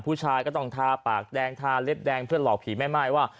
ผู้ชายก็ต้องทาปากแดงทาเล็บแดงเพื่อหลอกผีแม่ม่ายว่า